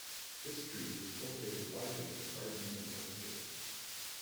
This tree is cultivated widely in gardens and landscapes.